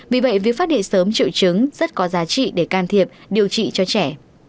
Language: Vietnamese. vì vậy việc phát hiện sớm triệu chứng rất có giá trị để can thiệp điều trị cho trẻ